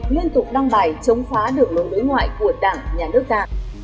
liên tục đăng bài chống phá đường lối đối ngoại của đảng nhà nước ta